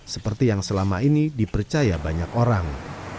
seperti yang selama ini dipercaya banyak orang